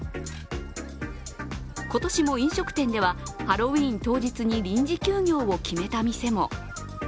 今年も飲食店ではハロウィーン当日に臨時休業を決めた店も。